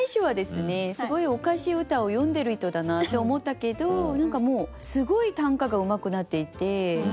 すごいおかしい歌を詠んでる人だなって思ったけど何かもうすごい短歌がうまくなっていてどうしたの？